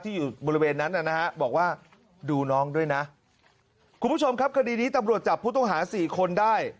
อยู่บริเวณนั้นนะฮะบอกว่าดูน้องด้วยนะคุณผู้ชมครับคดีนี้ตำรวจจับผู้ต้องหาสี่คนได้